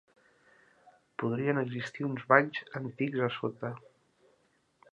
Podrien existir uns banys antics a sota.